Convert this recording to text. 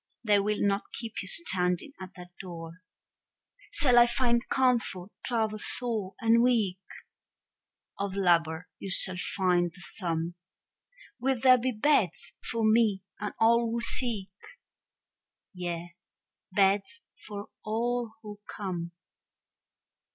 They will not keep you standing at that door. Shall I find comfort, travel sore and weak? Of labor you shall find the sum. Will there be beds for me and all who seek? Yea, beds for all who come.